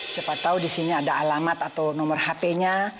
siapa tahu disini ada alamat atau nomor hp nya